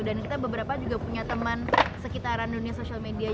dan kita beberapa juga punya teman sekitaran dunia social media